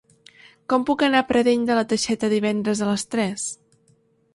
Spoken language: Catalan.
Com puc anar a Pradell de la Teixeta divendres a les tres?